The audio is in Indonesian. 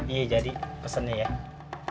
iya jadi pesennya ya